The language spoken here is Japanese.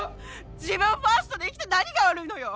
自分ファーストで生きて何が悪いのよ。